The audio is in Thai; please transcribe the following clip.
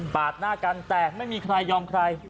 หน้ากันแต่ไม่มีใครยอมใคร